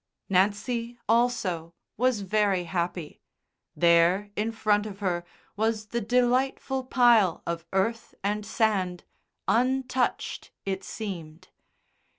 Nancy also was very happy. There, in front of her, was the delightful pile of earth and sand untouched, it seemed.